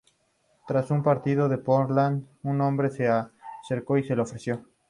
Tras un partido en Portland, un hombre se le acercó y se la ofreció.